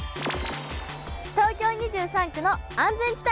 東京２３区の安全地帯